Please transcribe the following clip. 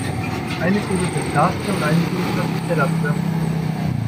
Eine Kugel Pistazie und eine Kugel Stracciatella, bitte!